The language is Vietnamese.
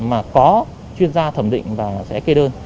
mà có chuyên gia thẩm định và sẽ kê đơn